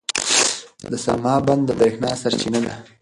د سلما بند د برېښنا سرچینه ده.